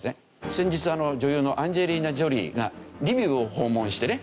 先日女優のアンジェリーナ・ジョリーがリビウを訪問してね